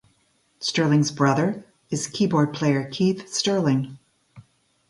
Sterling's brother is keyboard player Keith Sterling.